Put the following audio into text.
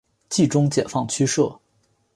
冀中解放区设。